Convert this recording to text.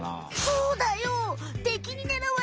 そうだよ。